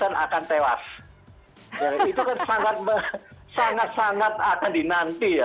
itu kan sangat sangat akan dinanti ya